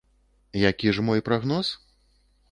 Які ж мой прагноз?